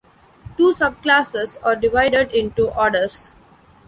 Two subclasses are divided into orders.